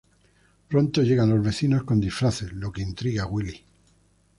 Pronto llegan los vecinos con disfraces lo que intriga a Willie.